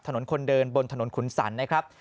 ถนนคนเดินบนถนนขุนสรรนะครับ